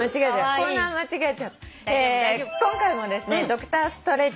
コーナー間違えちゃった。